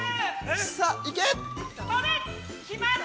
◆さあいけっ！